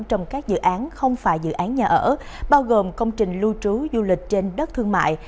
trong các dự án không phải dự án nhà ở bao gồm công trình lưu trú du lịch trên đất thương mại